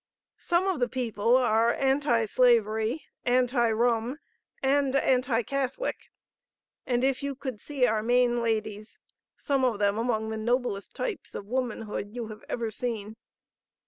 Some of the people are Anti Slavery, Anti rum and Anti Catholic; and if you could see our Maine ladies, some of them among the noblest types of womanhood you have ever seen!